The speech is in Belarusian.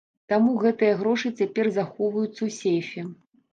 Таму гэтыя грошы цяпер захоўваюцца ў сейфе.